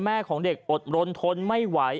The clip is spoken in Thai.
ของเด็กอดรนทนไม่ไหว